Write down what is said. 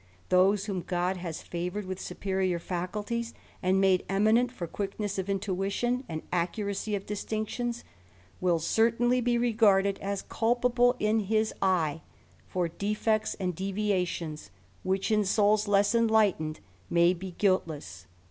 Those, whom God has favoured with superior faculties and made eminent for quickness of intuition, and accuracy of distinctions, will certainly be regarded as culpable in bis eye, for defects and devialions which, in souls less enlightened, may be guiltless.